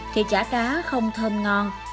thì chả cá không thơm ngon